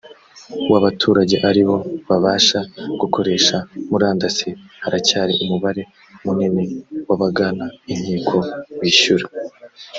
w abaturage ari bo babasha gukoresha murandasi haracyari umubare munini w abagana inkiko wishyura